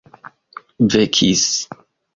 vekis